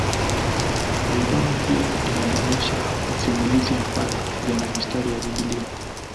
Albamu pia inajumuisha masimulizi ambayo yana mistari ya Biblia.